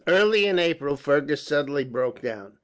Early in April Fergus suddenly broke down.